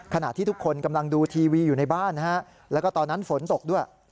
ขณะที่ทุกคนกำลังดูทีวีอยู่ในบ้านนะฮะแล้วก็ตอนนั้นฝนตกด้วย